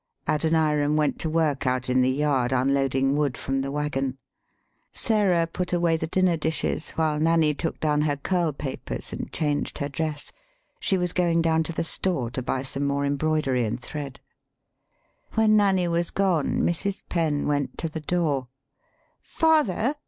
"] Adoniram went to work out in the yard un loading wood from the wagon. Sarah put away the dinner dishes, while Nanny took down her curl papers and changed her dress. She was going down to the store to buy some more embroidery and thread. When Nanny was gone, Mrs. Penn went to the door. "Father!"